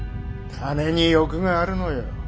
金に欲があるのよ。